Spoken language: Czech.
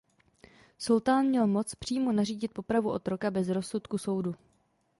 Sultán měl moc přímo nařídit popravu otroka bez rozsudku soudu.